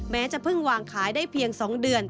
จะเพิ่งวางขายได้เพียง๒เดือน